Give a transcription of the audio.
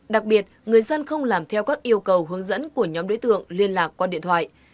đặc biệt người dân không làm theo các yêu cầu hướng dẫn của nhóm đối tượng liên lạc qua điện thoại